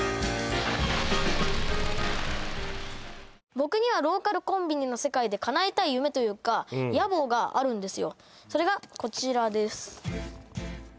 僕にはローカルコンビニの世界でかなえたい夢というか野望があるんですよ